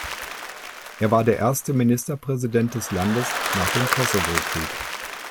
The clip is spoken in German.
Er war der erste Ministerpräsident des Landes nach dem Kosovo-Krieg.